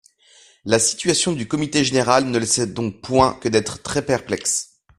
La situation du comité général ne laissait donc point que d'être très-perplexe.